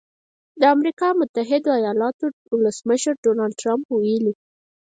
د امریکا متحده ایالتونو ولسمشر ډونالډ ټرمپ ویلي